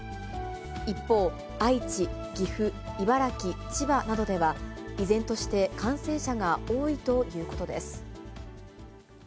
一方、愛知、岐阜、茨城、千葉などでは、依然として感染者が多いということです。